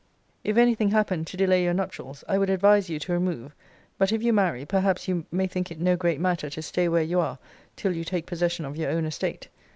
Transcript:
If any thing happen to delay your nuptials, I would advise you to remove: but, if you marry, perhaps you may think it no great matter to stay where you are till you take possession of your own estate.